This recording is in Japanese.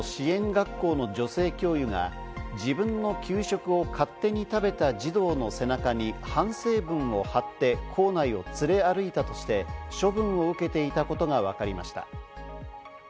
学校の女性教諭が、自分の給食を勝手に食べた児童の背中に反省文を貼って校内を連れ歩いたとして、処分を受けていたことがわかりました。